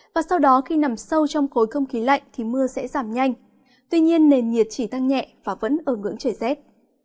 và sau đó khi nằm sâu trong khối không khí lạnh thì mưa sẽ giảm nhanh tuy nhiên nền nhiệt chỉ tăng nhẹ và vẫn ở ngưỡng trời rét